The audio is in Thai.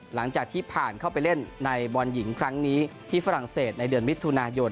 หลังจากที่ผ่านเข้าไปเล่นในบอลหญิงครั้งนี้ที่ฝรั่งเศสในเดือนมิถุนายน